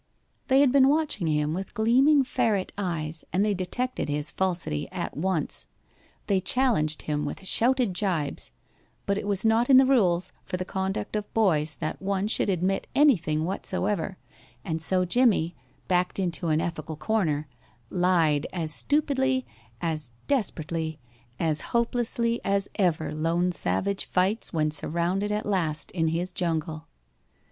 They had been watching him with gleaming ferret eyes, and they detected his falsity at once. They challenged him with shouted gibes, but it was not in the rules for the conduct of boys that one should admit anything whatsoever, and so Jimmie, backed into an ethical corner, lied as stupidly, as desperately, as hopelessly as ever lone savage fights when surrounded at last in his jungle.